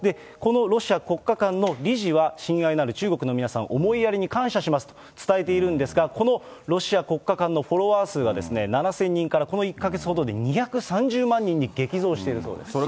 このロシア国家館の理事は、親愛なる中国の皆さん、思いやりに感謝しますと伝えているんですが、このロシア国家館のフォロワー数が、７０００人から、この１か月ほどで２３０万人に激増しているそうです。